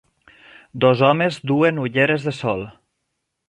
Dos homes duen ulleres de sol.